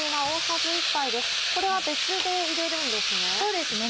これは別で入れるんですね。